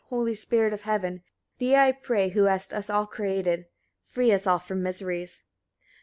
holy Spirit of heaven! Thee I pray, who hast us all created; free us all from miseries.